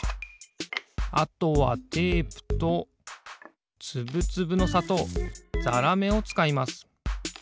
あとはテープとつぶつぶのさとうざらめをつかいます。